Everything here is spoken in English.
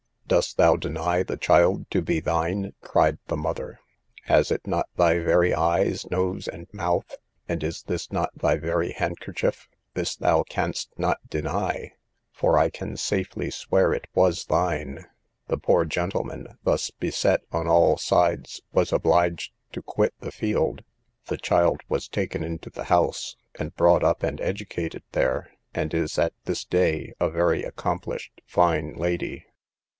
"Dost thou deny the child to be thine?" cried the mother: "has it not thy very eyes, nose, and mouth? and is this not thy very handkerchief? this thou canst not deny, for I can safely swear it was thine." The poor gentleman, thus beset on all sides, was obliged to quit the field; the child was taken into the house, and brought up and educated there, and is at this day a very accomplished fine lady.